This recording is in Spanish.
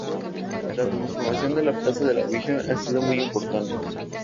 La transformación de la plaza de la Virgen ha sido muy importante.